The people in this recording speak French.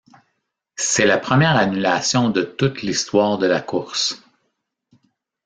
C'est la première annulation de toute l'histoire de la course.